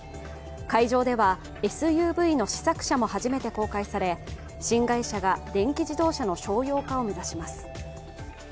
会場ではＳＵＶの試作車も初めて公開され新会社が電気自動車の商用化を目指します。